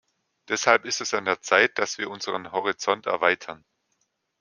Deshalb ist es an der Zeit, dass wir unseren Horizont erweitern.